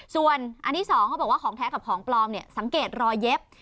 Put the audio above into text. ส่วนอันที่๒เขาบอกว่าของแท้กับของปลอมสังเกตรอยเย็บ